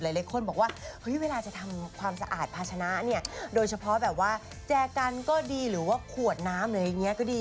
หลายคนบอกว่าเฮ้ยเวลาจะทำความสะอาดภาชนะเนี่ยโดยเฉพาะแบบว่าแจกันก็ดีหรือว่าขวดน้ำหรืออะไรอย่างนี้ก็ดี